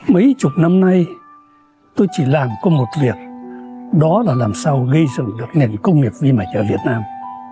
mấy chục năm nay tôi chỉ làm có một việc đó là làm sao gây dựng được nền công nghiệp vi mạch ở việt nam